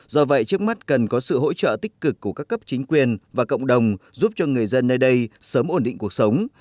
do vậy trước mắt cần có sự hỗ trợ tích cực của các cấp chính quyền và cộng đồng giúp cho người dân nơi đây sớm ổn định cuộc sống